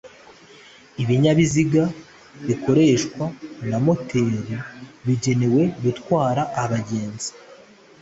ibinyabiziga bikoreshwa na moteri bigenewe gutwara abagenzi